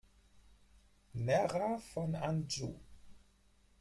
Nerra von Anjou.